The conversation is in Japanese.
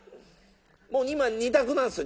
今２択なんですよ